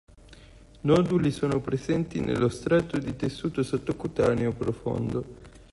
Noduli sono presenti nello strato di tessuto sottocutaneo profondo.